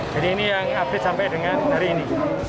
jadi ini yang update sampai dengan hari ini